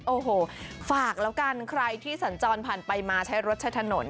โอ้โหฝากแล้วกันใครที่สัญจรผ่านไปมาใช้รถใช้ถนน